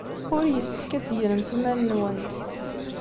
Ur yessefk ad tegremt iman-nwent.